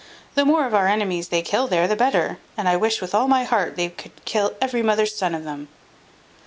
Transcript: The more of our enemies they kill there, the better: and I wish, with all my heart, they could kill every mother's son of them."